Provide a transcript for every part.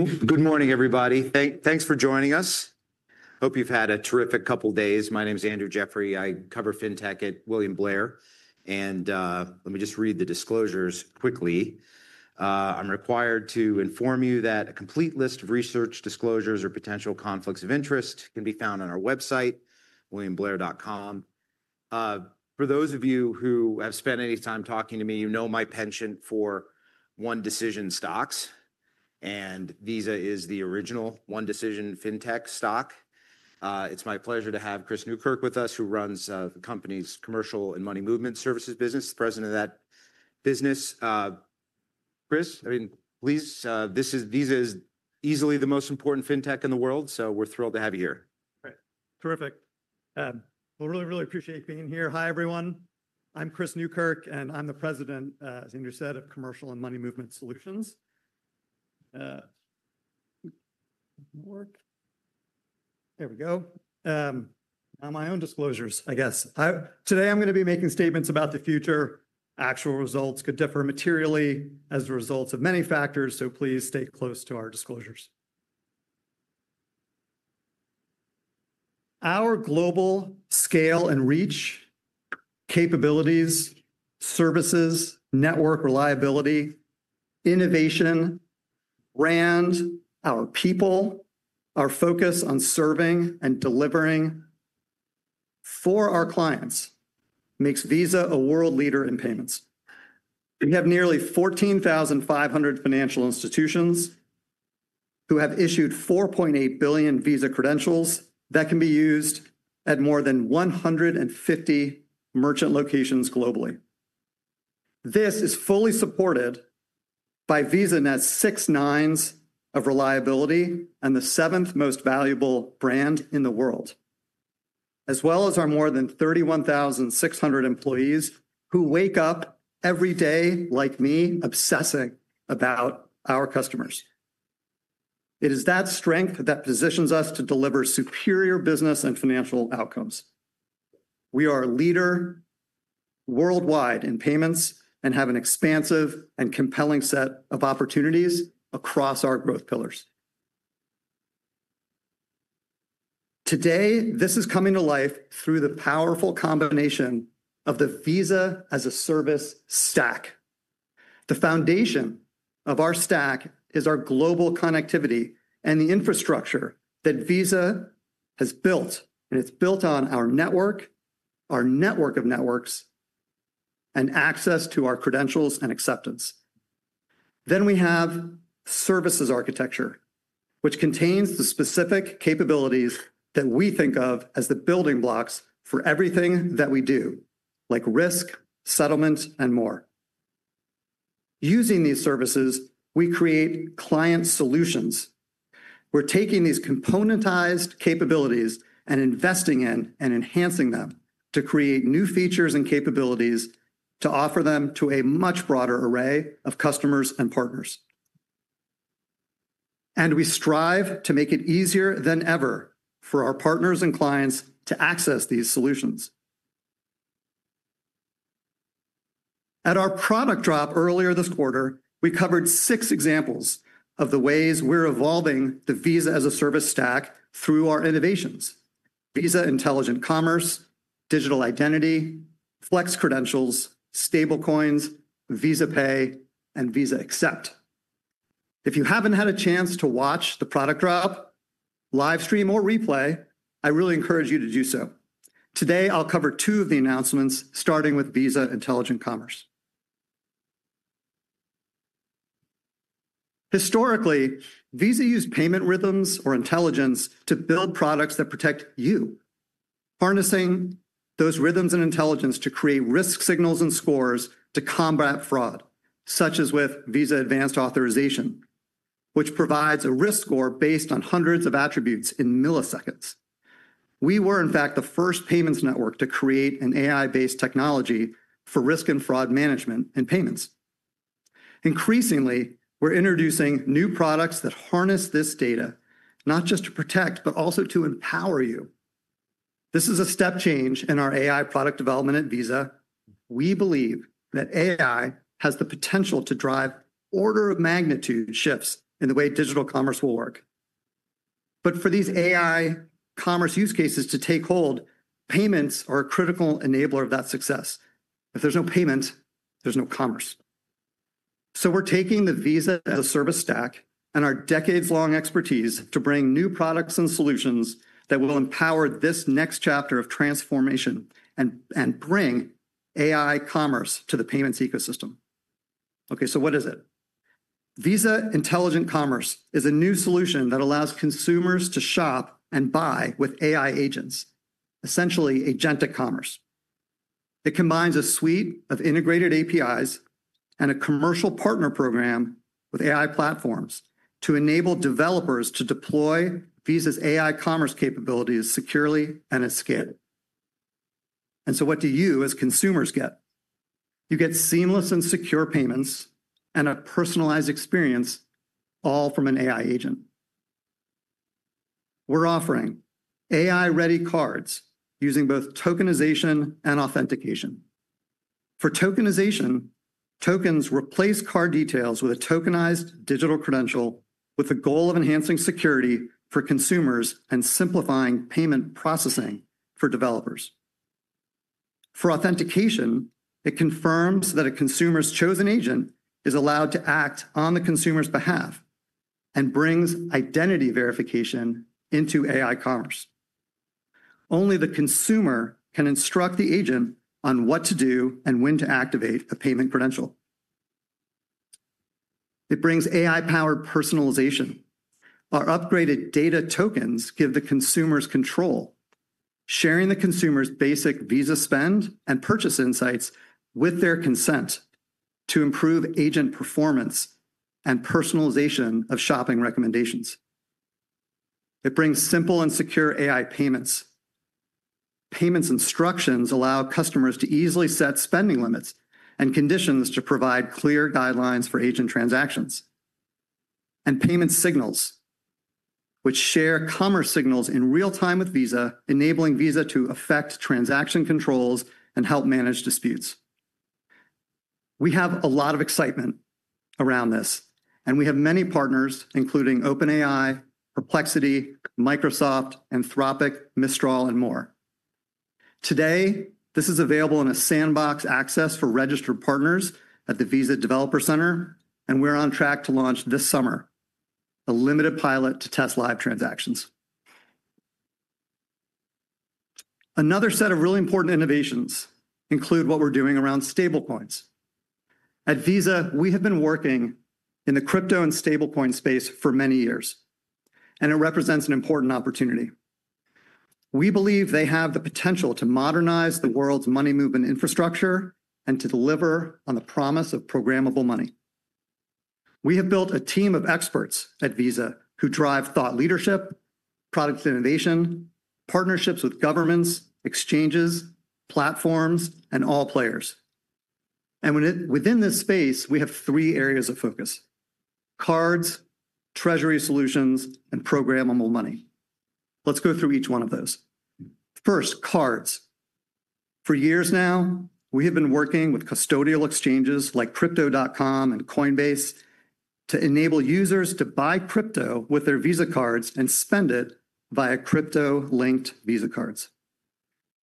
Good morning, everybody. Thanks for joining us. Hope you've had a terrific couple of days. My name is Andrew Jeffrey. I cover fintech at William Blair. Let me just read the disclosures quickly. I'm required to inform you that a complete list of research disclosures or potential conflicts of interest can be found on our website, williamblair.com. For those of you who have spent any time talking to me, you know my penchant for One Decision stocks. Visa is the original One Decision fintech stock. It's my pleasure to have Chris Newkirk with us, who runs the company's commercial and money movement services business, the President of that business. Chris, I mean, please, this is Visa, is easily the most important fintech in the world. We're thrilled to have you here. Great. Terrific. Really, really appreciate being here. Hi, everyone. I'm Chris Newkirk, and I'm the President, as Andrew said, of Commercial and Money Movement Solutions. There we go. Now, my own disclosures, I guess. Today, I'm going to be making statements about the future. Actual results could differ materially as a result of many factors. Please stay close to our disclosures. Our global scale and reach, capabilities, services, network reliability, innovation, brand, our people, our focus on serving and delivering for our clients makes Visa a world leader in payments. We have nearly 14,500 financial institutions who have issued 4.8 billion Visa credentials that can be used at more than 150 million merchant locations globally. This is fully supported by VisaNet's six nines of reliability and the seventh most valuable brand in the world, as well as our more than 31,600 employees who wake up every day like me obsessing about our customers. It is that strength that positions us to deliver superior business and financial outcomes. We are a leader worldwide in payments and have an expansive and compelling set of opportunities across our growth pillars. Today, this is coming to life through the powerful combination of the Visa-as-a-Service stack. The foundation of our stack is our global connectivity and the infrastructure that Visa has built. It is built on our network, our network of networks, and access to our credentials and acceptance. We have services architecture, which contains the specific capabilities that we think of as the building blocks for everything that we do, like risk, settlement, and more. Using these services, we create client solutions. We’re taking these componentized capabilities and investing in and enhancing them to create new features and capabilities to offer them to a much broader array of customers and partners. We strive to make it easier than ever for our partners and clients to access these solutions. At our product drop earlier this quarter, we covered six examples of the ways we’re evolving the Visa-as-a-Service stack through our innovations: Visa Intelligent Commerce, Digital Identity, Flex Credentials, Stablecoins, Visa Pay, and Visa Accept. If you haven’t had a chance to watch the product drop, livestream, or replay, I really encourage you to do so. Today, I’ll cover two of the announcements, starting with Visa Intelligent Commerce. Historically, Visa used payment rhythms or intelligence to build products that protect you, harnessing those rhythms and intelligence to create risk signals and scores to combat fraud, such as with Visa Advanced Authorization, which provides a risk score based on hundreds of attributes in milliseconds. We were, in fact, the first payments network to create an AI-based technology for risk and fraud management and payments. Increasingly, we're introducing new products that harness this data, not just to protect, but also to empower you. This is a step change in our AI product development at Visa. We believe that AI has the potential to drive order of magnitude shifts in the way digital commerce will work. For these AI commerce use cases to take hold, payments are a critical enabler of that success. If there's no payment, there's no commerce. We're taking the Visa-as-a-Service stack and our decades-long expertise to bring new products and solutions that will empower this next chapter of transformation and bring AI commerce to the payments ecosystem. Okay, what is it? Visa Intelligent Commerce is a new solution that allows consumers to shop and buy with AI agents, essentially agentic commerce. It combines a suite of integrated APIs and a commercial partner program with AI platforms to enable developers to deploy Visa's AI commerce capabilities securely and at scale. What do you, as consumers, get? You get seamless and secure payments and a personalized experience, all from an AI agent. We're offering AI-ready cards using both tokenization and authentication. For tokenization, tokens replace card details with a tokenized digital credential with the goal of enhancing security for consumers and simplifying payment processing for developers. For authentication, it confirms that a consumer's chosen agent is allowed to act on the consumer's behalf and brings identity verification into AI commerce. Only the consumer can instruct the agent on what to do and when to activate a payment credential. It brings AI-powered personalization. Our upgraded data tokens give the consumers control, sharing the consumer's basic Visa spend and purchase insights with their consent to improve agent performance and personalization of shopping recommendations. It brings simple and secure AI payments. Payments instructions allow customers to easily set spending limits and conditions to provide clear guidelines for agent transactions. Payment signals, which share commerce signals in real time with Visa, enable Visa to affect transaction controls and help manage disputes. We have a lot of excitement around this, and we have many partners, including OpenAI, Perplexity, Microsoft, Anthropic, Mistral, and more. Today, this is available in a sandbox access for registered partners at the Visa Developer Center, and we're on track to launch this summer a limited pilot to test live transactions. Another set of really important innovations includes what we're doing around stablecoins. At Visa, we have been working in the crypto and stablecoin space for many years, and it represents an important opportunity. We believe they have the potential to modernize the world's money movement infrastructure and to deliver on the promise of programmable money. We have built a team of experts at Visa who drive thought leadership, product innovation, partnerships with governments, exchanges, platforms, and all players. Within this space, we have three areas of focus: cards, treasury solutions, and programmable money. Let's go through each one of those. First, cards. For years now, we have been working with custodial exchanges like Crypto.com and Coinbase to enable users to buy crypto with their Visa cards and spend it via crypto-linked Visa cards.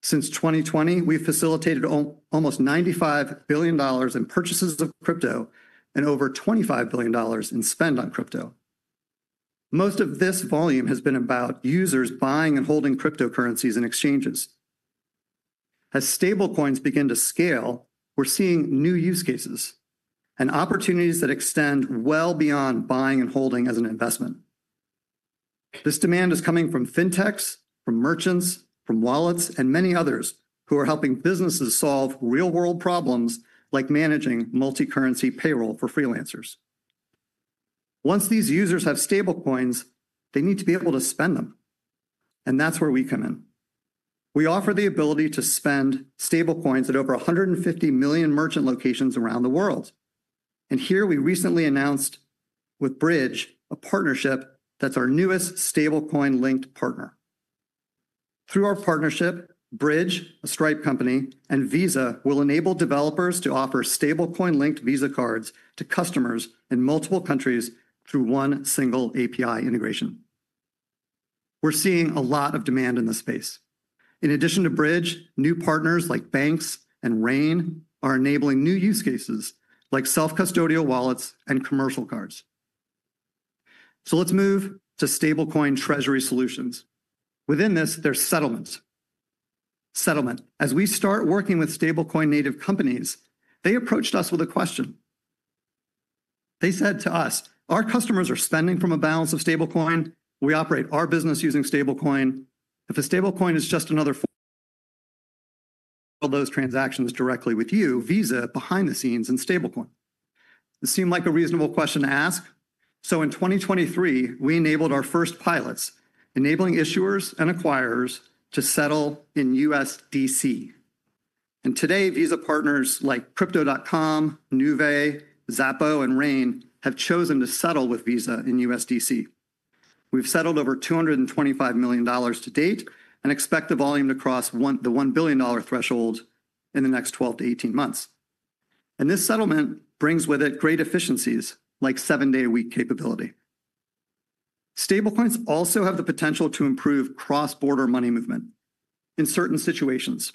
Since 2020, we have facilitated almost $95 billion in purchases of crypto and over $25 billion in spend on crypto. Most of this volume has been about users buying and holding cryptocurrencies and exchanges. As stablecoins begin to scale, we are seeing new use cases and opportunities that extend well beyond buying and holding as an investment. This demand is coming from fintechs, from merchants, from wallets, and many others who are helping businesses solve real-world problems like managing multi-currency payroll for freelancers. Once these users have stablecoins, they need to be able to spend them. That is where we come in. We offer the ability to spend stablecoins at over 150 million merchant locations around the world. We recently announced with Bridge a partnership that's our newest stablecoin-linked partner. Through our partnership, Bridge, a Stripe company, and Visa will enable developers to offer stablecoin-linked Visa cards to customers in multiple countries through one single API integration. We're seeing a lot of demand in this space. In addition to Bridge, new partners like banks and Rain are enabling new use cases like self-custodial wallets and commercial cards. Let's move to stablecoin treasury solutions. Within this, there's settlement. As we start working with stablecoin-native companies, they approached us with a question. They said to us, "Our customers are spending from a balance of stablecoin. We operate our business using stablecoin. If a stablecoin is just another for those transactions directly with you, Visa behind the scenes in stablecoin." This seemed like a reasonable question to ask. In 2023, we enabled our first pilots, enabling issuers and acquirers to settle in USDC. Today, Visa partners like Crypto.com, Nuvei, Zappo, and Rain have chosen to settle with Visa in USDC. We've settled over $225 million to date and expect the volume to cross the $1 billion threshold in the next 12-18 months. This settlement brings with it great efficiencies like seven-day-a-week capability. Stablecoins also have the potential to improve cross-border money movement in certain situations.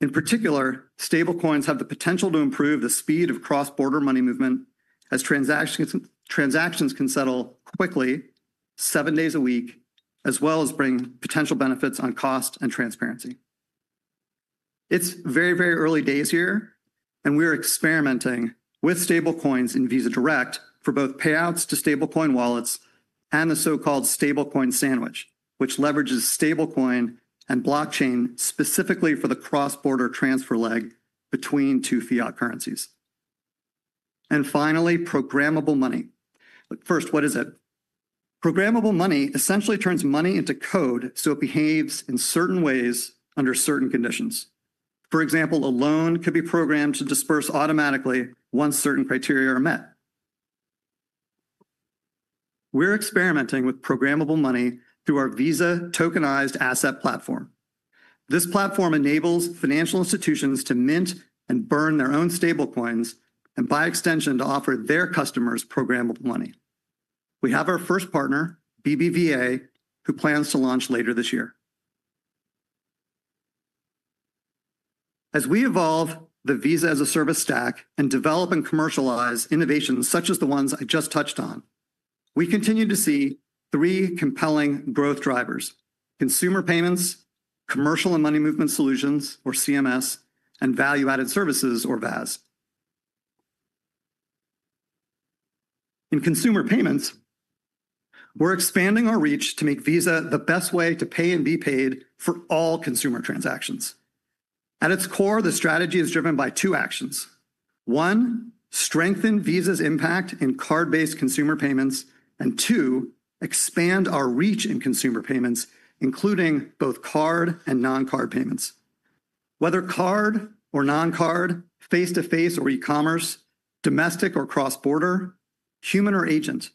In particular, stablecoins have the potential to improve the speed of cross-border money movement as transactions can settle quickly, seven days a week, as well as bring potential benefits on cost and transparency. It's very, very early days here, and we are experimenting with stablecoins in Visa Direct for both payouts to stablecoin wallets and the so-called stablecoin sandwich, which leverages stablecoin and blockchain specifically for the cross-border transfer leg between two fiat currencies. Finally, programmable money. First, what is it? Programmable money essentially turns money into code so it behaves in certain ways under certain conditions. For example, a loan could be programmed to disperse automatically once certain criteria are met. We're experimenting with programmable money through our Visa Tokenized Asset platform. This platform enables financial institutions to mint and burn their own stablecoins and, by extension, to offer their customers programmable money. We have our first partner, BBVA, who plans to launch later this year. As we evolve the Visa-as-a-Service stack and develop and commercialize innovations such as the ones I just touched on, we continue to see three compelling growth drivers: consumer payments, Commercial and Money Movement Solutions, or CMS, and Value-Added Services, or VAS. In consumer payments, we're expanding our reach to make Visa the best way to pay and be paid for all consumer transactions. At its core, the strategy is driven by two actions: one, strengthen Visa's impact in card-based consumer payments, and two, expand our reach in consumer payments, including both card and non-card payments. Whether card or non-card, face-to-face or e-commerce, domestic or cross-border, human or agent,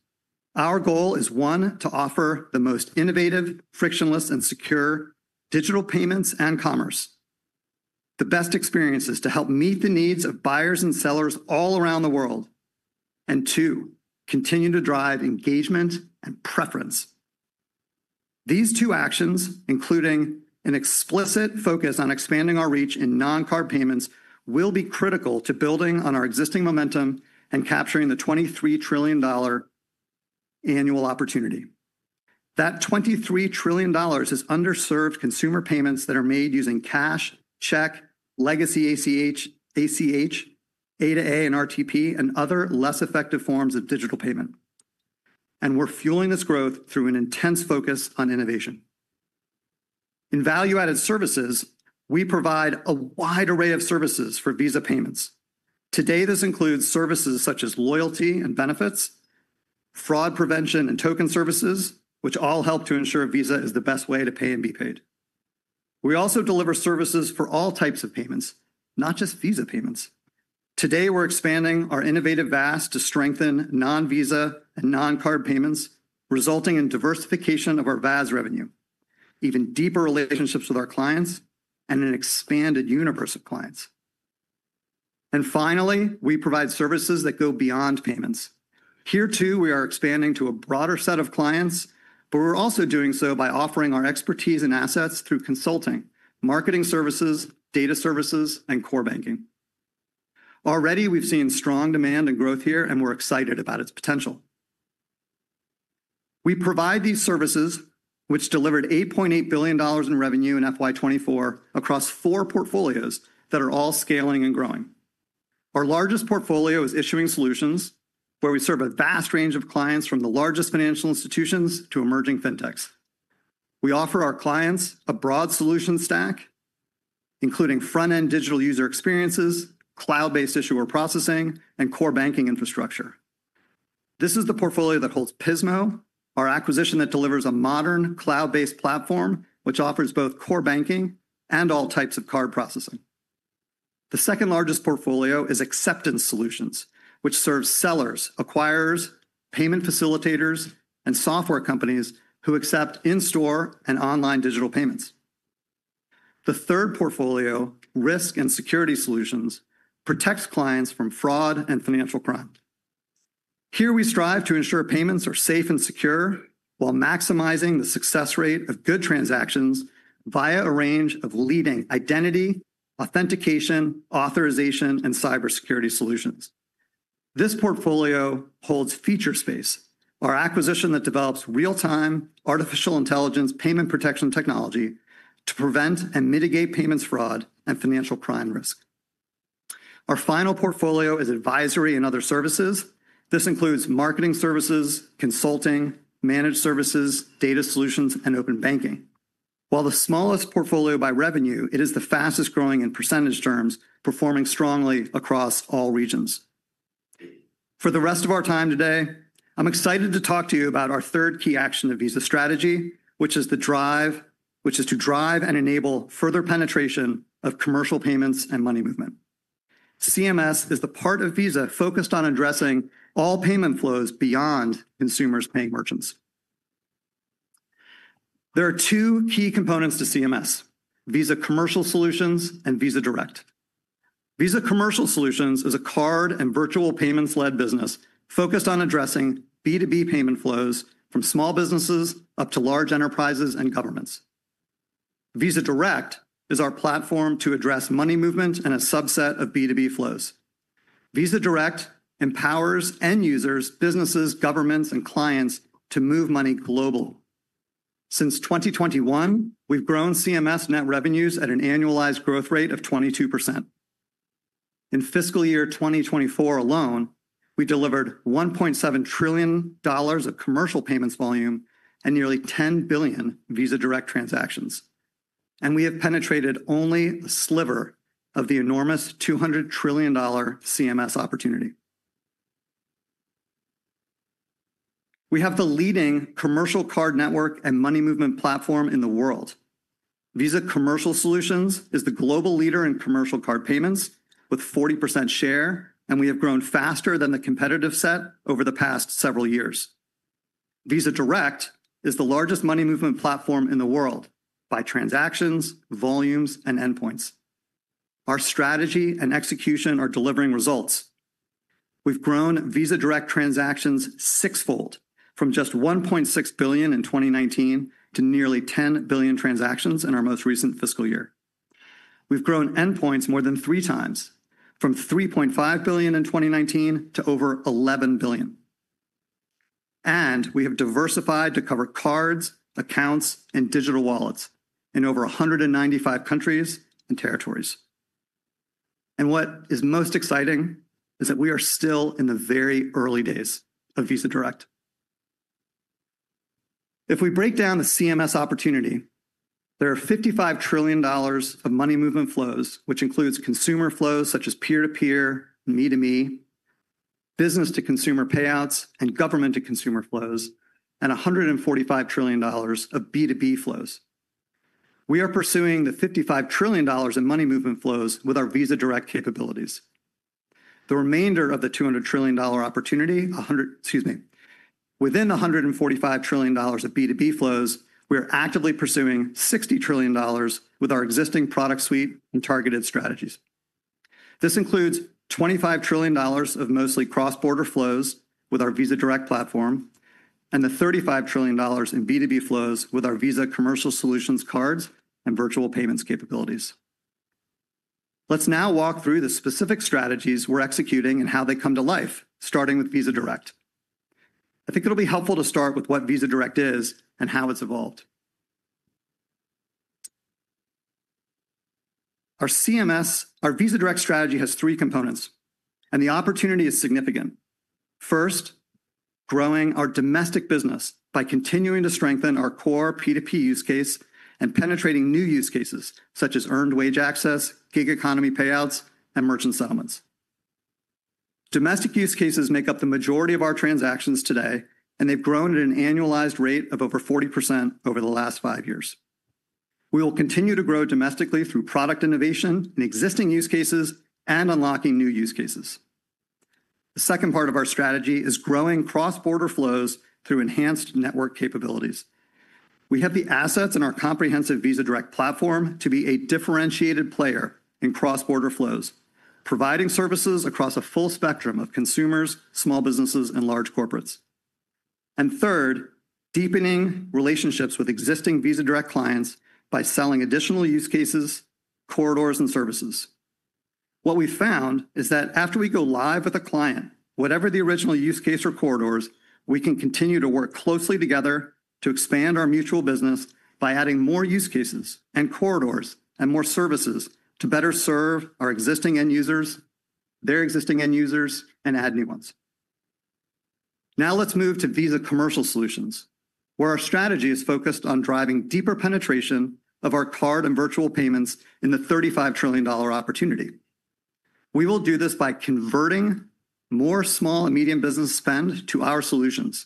our goal is, one, to offer the most innovative, frictionless, and secure digital payments and commerce, the best experiences to help meet the needs of buyers and sellers all around the world, and two, continue to drive engagement and preference. These two actions, including an explicit focus on expanding our reach in non-card payments, will be critical to building on our existing momentum and capturing the $23 trillion annual opportunity. That $23 trillion is underserved consumer payments that are made using cash, check, legacy ACH, AAA, and RTP, and other less effective forms of digital payment. We are fueling this growth through an intense focus on innovation. In value-added services, we provide a wide array of services for Visa payments. Today, this includes services such as loyalty and benefits, fraud prevention and token services, which all help to ensure Visa is the best way to pay and be paid. We also deliver services for all types of payments, not just Visa payments. Today, we are expanding our innovative VAS to strengthen non-Visa and non-card payments, resulting in diversification of our VAS revenue, even deeper relationships with our clients, and an expanded universe of clients. Finally, we provide services that go beyond payments. Here, too, we are expanding to a broader set of clients, but we are also doing so by offering our expertise and assets through consulting, marketing services, data services, and core banking. Already, we have seen strong demand and growth here, and we are excited about its potential. We provide these services, which delivered $8.8 billion in revenue in 2024 across four portfolios that are all scaling and growing. Our largest portfolio is issuing solutions, where we serve a vast range of clients from the largest financial institutions to emerging fintechs. We offer our clients a broad solution stack, including front-end digital user experiences, cloud-based issuer processing, and core banking infrastructure. This is the portfolio that holds Pismo, our acquisition that delivers a modern cloud-based platform, which offers both core banking and all types of card processing. The second largest portfolio is acceptance solutions, which serve sellers, acquirers, payment facilitators, and software companies who accept in-store and online digital payments. The third portfolio, risk and security solutions, protects clients from fraud and financial crime. Here, we strive to ensure payments are safe and secure while maximizing the success rate of good transactions via a range of leading identity, authentication, authorization, and cybersecurity solutions. This portfolio holds Featurespace, our acquisition that develops real-time artificial intelligence payment protection technology to prevent and mitigate payments fraud and financial crime risk. Our final portfolio is advisory and other services. This includes marketing services, consulting, managed services, data solutions, and open banking. While the smallest portfolio by revenue, it is the fastest growing in percentage terms, performing strongly across all regions. For the rest of our time today, I'm excited to talk to you about our third key action of Visa's strategy, which is to drive and enable further penetration of commercial payments and money movement. CMS is the part of Visa focused on addressing all payment flows beyond consumers paying merchants. There are two key components to CMS: Visa Commercial Solutions and Visa Direct. Visa Commercial Solutions is a card and virtual payments-led business focused on addressing B2B payment flows from small businesses up to large enterprises and governments. Visa Direct is our platform to address money movement and a subset of B2B flows. Visa Direct empowers end users, businesses, governments, and clients to move money globally. Since 2021, we've grown CMS net revenues at an annualized growth rate of 22%. In fiscal year 2024 alone, we delivered $1.7 trillion of commercial payments volume and nearly 10 billion Visa Direct transactions. We have penetrated only a sliver of the enormous $200 trillion CMS opportunity. We have the leading commercial card network and money movement platform in the world. Visa Commercial Solutions is the global leader in commercial card payments with 40% share, and we have grown faster than the competitive set over the past several years. Visa Direct is the largest money movement platform in the world by transactions, volumes, and endpoints. Our strategy and execution are delivering results. We've grown Visa Direct transactions sixfold from just 1.6 billion in 2019 to nearly 10 billion transactions in our most recent fiscal year. We've grown endpoints more than three times from 3.5 billion in 2019 to over 11 billion. We have diversified to cover cards, accounts, and digital wallets in over 195 countries and territories. What is most exciting is that we are still in the very early days of Visa Direct. If we break down the CMS opportunity, there are $55 trillion of money movement flows, which includes consumer flows such as peer-to-peer, me-to-me, business-to-consumer payouts, and government-to-consumer flows, and $145 trillion of B2B flows. We are pursuing the $55 trillion in money movement flows with our Visa Direct capabilities. The remainder of the $200 trillion opportunity—excuse me—within $145 trillion of B2B flows, we are actively pursuing $60 trillion with our existing product suite and targeted strategies. This includes $25 trillion of mostly cross-border flows with our Visa Direct platform and the $35 trillion in B2B flows with our Visa Commercial Solutions cards and virtual payments capabilities. Let's now walk through the specific strategies we're executing and how they come to life, starting with Visa Direct. I think it'll be helpful to start with what Visa Direct is and how it's evolved. Our Visa Direct strategy has three components, and the opportunity is significant. First, growing our domestic business by continuing to strengthen our core P2P use case and penetrating new use cases such as earned wage access, gig economy payouts, and merchant settlements. Domestic use cases make up the majority of our transactions today, and they've grown at an annualized rate of over 40% over the last five years. We will continue to grow domestically through product innovation in existing use cases and unlocking new use cases. The second part of our strategy is growing cross-border flows through enhanced network capabilities. We have the assets in our comprehensive Visa Direct platform to be a differentiated player in cross-border flows, providing services across a full spectrum of consumers, small businesses, and large corporates. Third, deepening relationships with existing Visa Direct clients by selling additional use cases, corridors, and services. What we found is that after we go live with a client, whatever the original use case or corridors, we can continue to work closely together to expand our mutual business by adding more use cases and corridors and more services to better serve our existing end users, their existing end users, and add new ones. Now let's move to Visa Commercial Solutions, where our strategy is focused on driving deeper penetration of our card and virtual payments in the $35 trillion opportunity. We will do this by converting more small and medium business spend to our solutions,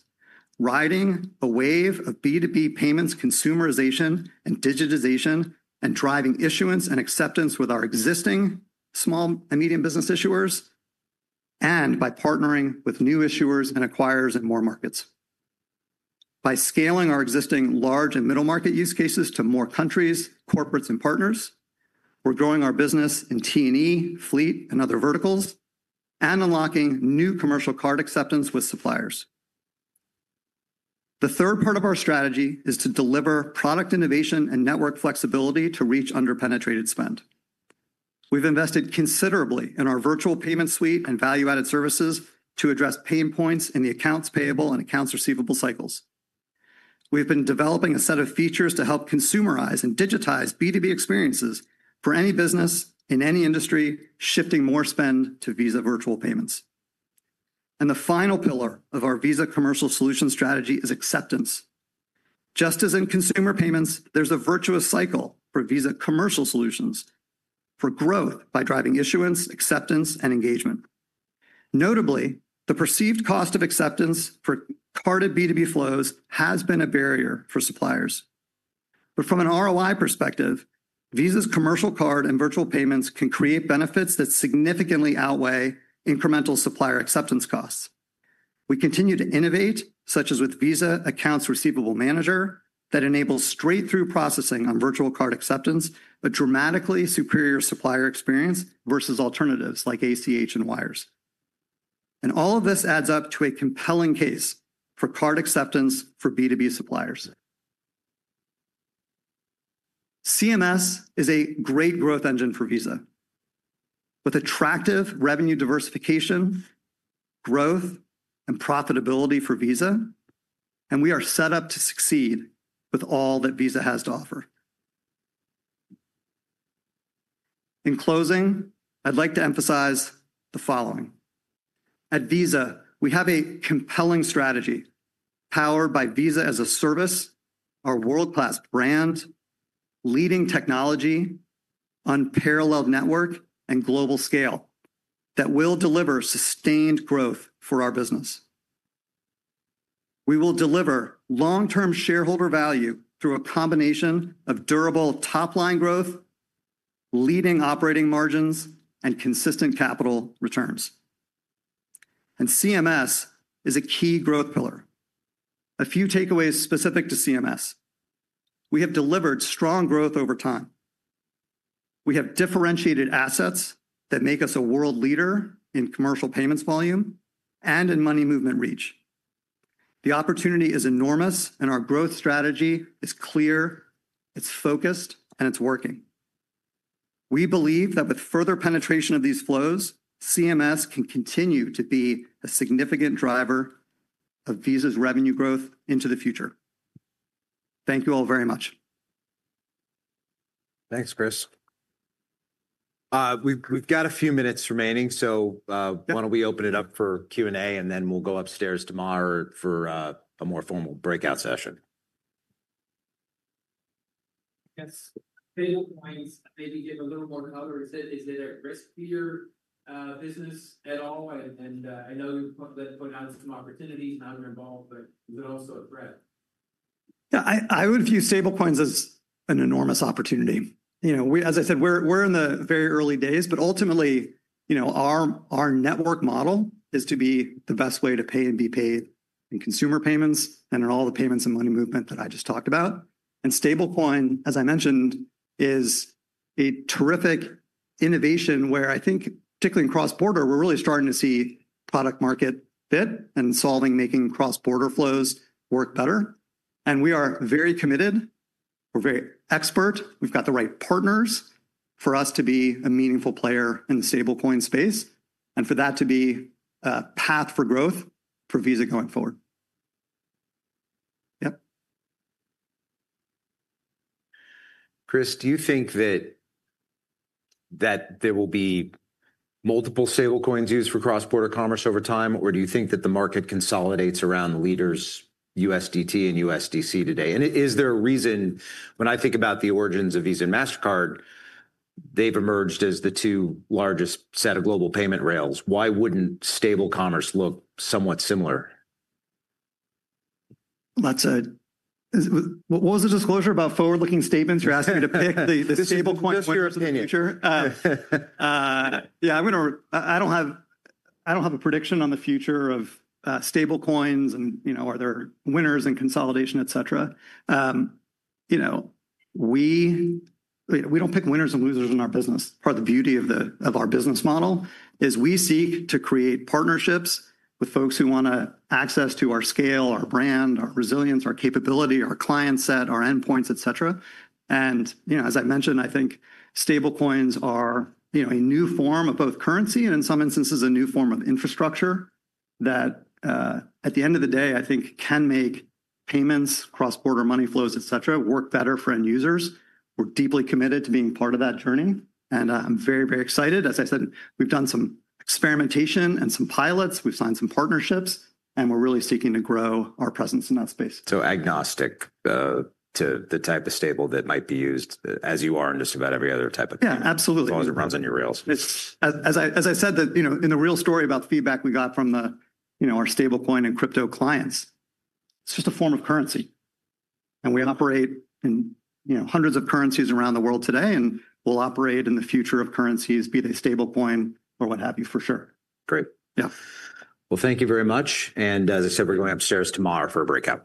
riding a wave of B2B payments consumerization and digitization, and driving issuance and acceptance with our existing small and medium business issuers, and by partnering with new issuers and acquirers in more markets. By scaling our existing large and middle market use cases to more countries, corporates, and partners, we're growing our business in T&E, fleet, and other verticals, and unlocking new commercial card acceptance with suppliers. The third part of our strategy is to deliver product innovation and network flexibility to reach under-penetrated spend. We've invested considerably in our virtual payment suite and value-added services to address pain points in the accounts payable and accounts receivable cycles. We've been developing a set of features to help consumerize and digitize B2B experiences for any business in any industry, shifting more spend to Visa virtual payments. The final pillar of our Visa Commercial Solutions strategy is acceptance. Just as in consumer payments, there is a virtuous cycle for Visa Commercial Solutions for growth by driving issuance, acceptance, and engagement. Notably, the perceived cost of acceptance for carded B2B flows has been a barrier for suppliers. From an ROI perspective, Visa's commercial card and virtual payments can create benefits that significantly outweigh incremental supplier acceptance costs. We continue to innovate, such as with Visa Accounts Receivable Manager, that enables straight-through processing on virtual card acceptance, a dramatically superior supplier experience versus alternatives like ACH and Wire. All of this adds up to a compelling case for card acceptance for B2B suppliers. CMS is a great growth engine for Visa, with attractive revenue diversification, growth, and profitability for Visa, and we are set up to succeed with all that Visa has to offer. In closing, I'd like to emphasize the following. At Visa, we have a compelling strategy powered by Visa as a service, our world-class brand, leading technology, unparalleled network, and global scale that will deliver sustained growth for our business. We will deliver long-term shareholder value through a combination of durable top-line growth, leading operating margins, and consistent capital returns. CMS is a key growth pillar. A few takeaways specific to CMS: we have delivered strong growth over time. We have differentiated assets that make us a world leader in commercial payments volume and in money movement reach. The opportunity is enormous, and our growth strategy is clear, it's focused, and it's working. We believe that with further penetration of these flows, CMS can continue to be a significant driver of Visa's revenue growth into the future. Thank you all very much. Thanks, Chris. We've got a few minutes remaining, so why don't we open it up for Q&A, and then we'll go upstairs tomorrow for a more formal breakout session. Yes. Stablecoins, maybe give a little more coverage. Is it a riskier business at all? I know you've put out some opportunities and I'm involved, but is it also a threat? Yeah, I would view stablecoins as an enormous opportunity. You know, as I said, we're in the very early days, but ultimately, you know, our network model is to be the best way to pay and be paid in consumer payments and in all the payments and money movement that I just talked about. Stablecoin, as I mentioned, is a terrific innovation where I think, particularly in cross-border, we're really starting to see product-market fit and solving, making cross-border flows work better. We are very committed. We're very expert. We've got the right partners for us to be a meaningful player in the stablecoin space and for that to be a path for growth for Visa going forward. Yep. Chris, do you think that there will be multiple stablecoins used for cross-border commerce over time, or do you think that the market consolidates around leaders USDT and USDC today? And is there a reason when I think about the origins of Visa and Mastercard, they've emerged as the two largest set of global payment rails? Why wouldn't stablecommerce look somewhat similar? What was the disclosure about forward-looking statements? You're asking me to pick the stablecoin future? Yeah, I'm going to—I don't have a prediction on the future of stablecoins and, you know, are there winners in consolidation, et cetera. You know, we don't pick winners and losers in our business. Part of the beauty of our business model is we seek to create partnerships with folks who want access to our scale, our brand, our resilience, our capability, our client set, our endpoints, et cetera. You know, as I mentioned, I think stablecoins are, you know, a new form of both currency and, in some instances, a new form of infrastructure that, at the end of the day, I think can make payments, cross-border money flows, et cetera, work better for end users. We are deeply committed to being part of that journey. I am very, very excited. As I said, we have done some experimentation and some pilots. We have signed some partnerships, and we are really seeking to grow our presence in that space. Agnostic to the type of stable that might be used as you are in just about every other type of— yeah, absolutely. As long as it runs on your rails. As I said, you know, in the real story about the feedback we got from the, you know, our stablecoin and crypto clients, it's just a form of currency. And we operate in, you know, hundreds of currencies around the world today, and we'll operate in the future of currencies, be they stablecoin or what have you, for sure. Great. Yeah. Thank you very much. As I said, we're going upstairs tomorrow for a breakout.